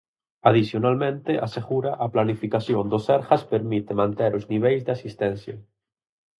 Adicionalmente, asegura, a "planificación" do Sergas permite manter os niveis de asistencia.